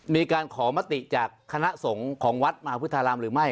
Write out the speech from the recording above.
มีการขอมติจากคณะสงฆ์ของวัดมาพุทธารามหรือไม่